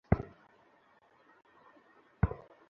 তোর জন্য সাত বছর ধরে প্রভুর কাছে প্রার্থনা করেছি!